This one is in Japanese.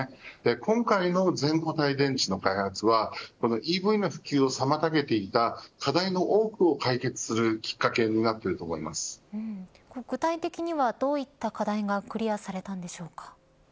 今回の全固体電池の開発はＥＶの普及を妨げていた課題の多くを解決するきっかけになっている具体的にはどういった課題がクリアされたのでしょうか。